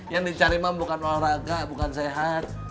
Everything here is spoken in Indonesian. yang dicari mam bukan olahraga bukan sehat